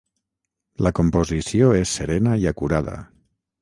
La composició és serena i acurada.